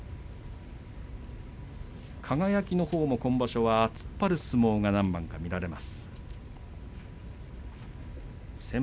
輝のほうも今場所は、突っ張る相撲が何番か見られます。